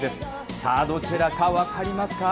さあ、どちらか分かりますか？